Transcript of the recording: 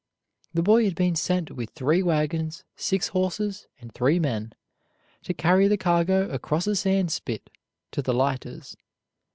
The boy had been sent with three wagons, six horses, and three men, to carry the cargo across a sand spit to the lighters.